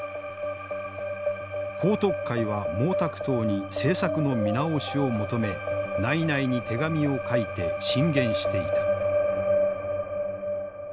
彭徳懐は毛沢東に政策の見直しを求め内々に手紙を書いて進言していた。